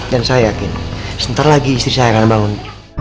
dan saya yakin sebentar lagi istri saya akan bangun